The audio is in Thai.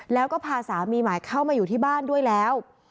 แล้วก็พาสามีใหม่เข้ามาอยู่ที่บ้านด้วยแล้ว